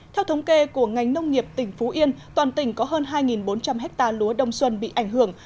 theo thống kê của ngành nông nghiệp tỉnh phú yên toàn tỉnh có hơn hai bốn trăm linh hectare lúa đông xuân bị ảnh hưởng